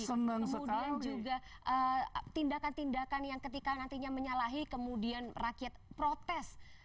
kemudian juga tindakan tindakan yang ketika nantinya menyalahi kemudian rakyat protes